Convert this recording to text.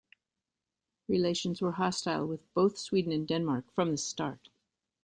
Relations were hostile with both Sweden and Denmark from the start.